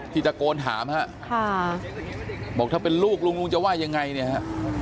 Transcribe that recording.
ตะโกนถามฮะค่ะบอกถ้าเป็นลูกลุงลุงจะว่ายังไงเนี่ยฮะ